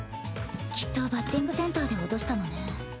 きっとバッティングセンターで落としたのね。